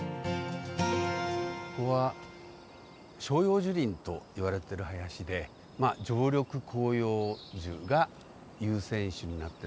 ここは照葉樹林といわれてる林でまあ常緑広葉樹が優占種になってる林ですね。